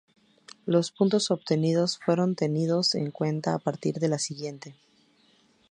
Los puntos obtenidos fueron tenidos en cuenta a partir de la siguiente.